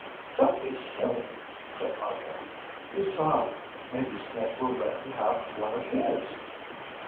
"Don't be silly," said Argo. "Besides, maybe Snake will let you have one of his.